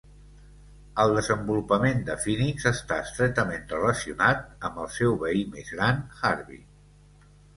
El desenvolupament de Phoenix està estretament relacionat amb el seu veí més gran Harvey.